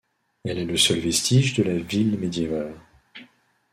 Elle est le seul vestige de la ville médiévale.